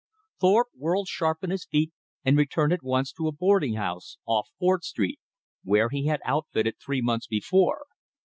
Thorpe whirled sharp on his heel and returned at once to a boarding house off Fort Street, where he had "outfitted" three months before.